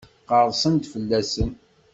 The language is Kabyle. Qerrsen-d fell-asen?